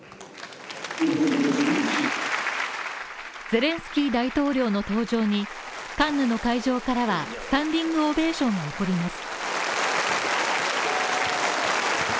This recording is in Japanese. ゼレンスキー大統領の登場に、カンヌの会場からはスタンディングオベーションが起こります。